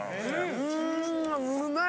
うんうまい！